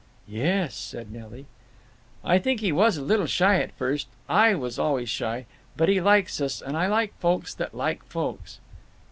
"Yes," said Nelly. "I think he was a little shy at first…. I was always shy…. But he likes us, and I like folks that like folks."